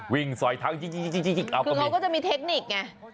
วิ่งสอยทั้งคือเค้าก็จะมีเทคนิคไง